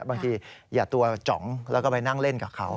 อย่าตัวจ๋องแล้วก็ไปนั่งเล่นกับเขา